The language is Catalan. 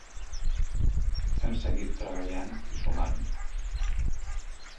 Hem seguit treballant i sumant.